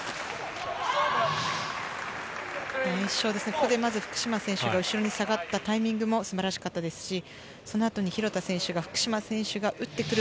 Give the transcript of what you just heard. ここで福島選手が後ろに下がったタイミングも素晴らしかったですしこのあと、廣田選手が福島選手が打ってくる。